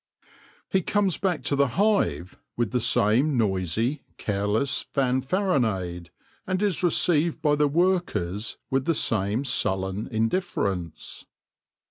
He comes back to the hive with the same noisy, careless fanfaronade, and is received by the workers with the same sullen indifference.